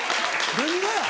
何がや？